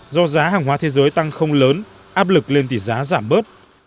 do giá hàng hóa thế giới tăng không lớn áp lực lên tỷ giá giảm bớt